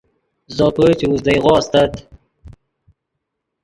زوپے چے اوزدئیغو استت